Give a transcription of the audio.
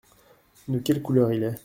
De quelle couleur il est ?